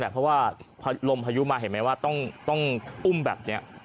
เพราะว่าพอลมพายุมาเห็นไหมว่าต้องอุ้มแบบนี้